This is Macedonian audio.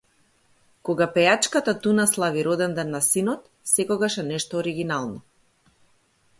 Кога пејачата Туна слави роденден на синот, секогаш е нешто оргинално